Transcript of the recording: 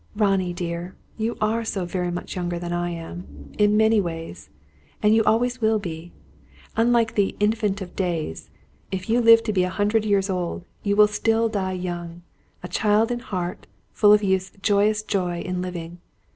"Ronnie dear, you are so very much younger than I, in many ways; and you always will be. Unlike the 'Infant of Days,' if you live to be a hundred years old, you will still die young; a child in heart, full of youth's joyous joy in living.